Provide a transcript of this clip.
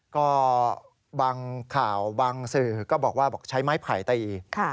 ก็บางข่าวบางสื่อก็บอกว่าบอกใช้ไม้ไผ่ตี